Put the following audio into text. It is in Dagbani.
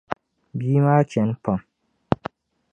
Bia maa chani pam.